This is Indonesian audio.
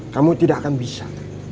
kamu tidak akan bisa